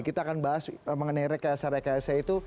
kita akan bahas mengenai rekayasa rekayasa itu